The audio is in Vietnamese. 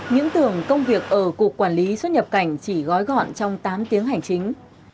những tưởng công việc ở cục quản lý xuất nhập cảnh chỉ gói gọn trong tám tiếng hành chính